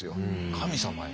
神様へ。